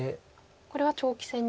これは長期戦に。